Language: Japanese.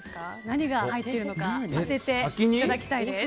何が入ってるのか当てていただきたいです。